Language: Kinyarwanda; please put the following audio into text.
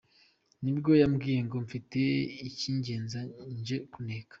Nibwo bambwiye ngo mfite ikingenza nje kuneka.